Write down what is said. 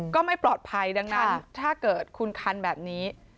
ก็ไม่ปลอดภัยดังนั้นถ้าเกิดคุณคันแบบนี้